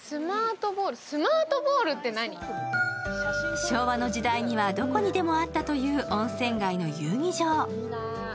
昭和の時代にはどこにでもあったという温泉街の遊技場。